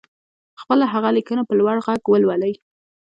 خپله هغه ليکنه په لوړ غږ ولولئ.